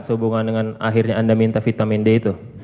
sehubungan dengan akhirnya anda minta vitamin d itu